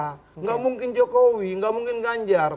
tidak mungkin jokowi nggak mungkin ganjar